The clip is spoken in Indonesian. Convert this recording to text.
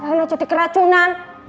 raihnya jadi keracunan